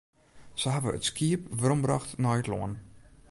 Se hawwe it skiep werombrocht nei it lân.